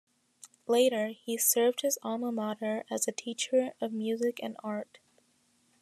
Later he served his Alma mater as a teacher of Music and Art.